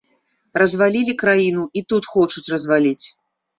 Развалілі краіну, і тут хочуць разваліць.